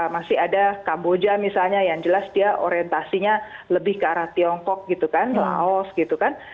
masih ada kamboja misalnya yang jelas dia orientasinya lebih ke arah tiongkok gitu kan laos gitu kan